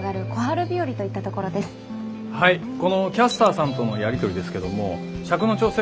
このキャスターさんとのやり取りですけども尺の調整